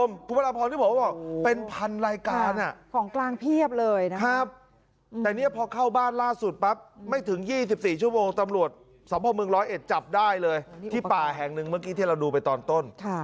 ในบ้านหนึ่งเพื่อกี้เถียวเราดูไปตอนต้น